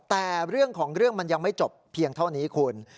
แต่เรื่องของเรื่องมันยังไม่จบเพียงเท่านี้คุณ